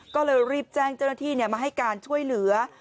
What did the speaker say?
ก็เลยรีบแจ้งเจ้าหน้าที่มาให้การช่วยเหลือ